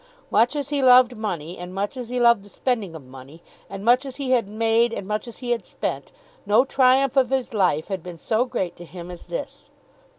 Much as he loved money, and much as he loved the spending of money, and much as he had made and much as he had spent, no triumph of his life had been so great to him as this.